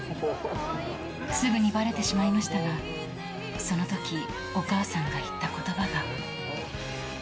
すぐにバレてしまいましたがその時お母さんが言った言葉が。